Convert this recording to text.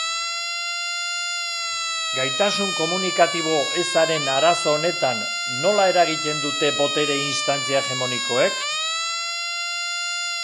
Gaitasun komunikatibo ezaren arazo honetan nola eragiten dute botere-instantzia hegemonikoek?